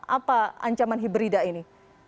apa ancaman hibrida ini